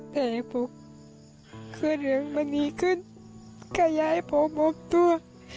แต่พวกเครื่องมันหนีขึ้นขยายผมออกตัว